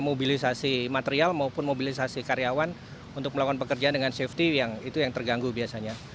mobilisasi material maupun mobilisasi karyawan untuk melakukan pekerjaan dengan safety itu yang terganggu biasanya